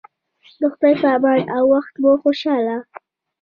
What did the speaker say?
د خدای په امان او وخت مو خوشحاله